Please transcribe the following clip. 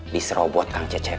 diserobot kang cecep